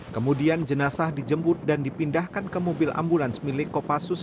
kemudian jenazah dijemput dan dipindahkan ke mobil ambulans milik kopassus